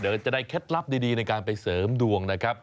เดี๋ยวจะได้เคล็ดลับดีในการไปเสริมดวงนะครับ